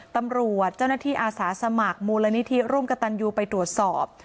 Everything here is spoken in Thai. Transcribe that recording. ตำรวจเจ้าหน้าที่อาสาสมัครมูลนิธิร่วมกับตันยูไปตรวจสอบ